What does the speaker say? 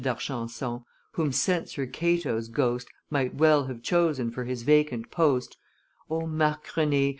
d'Argenson] whom Censor Cato's ghost Might well have chosen for his vacant post, O Marc Rene!